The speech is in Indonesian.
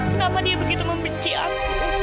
kenapa dia begitu membenci aku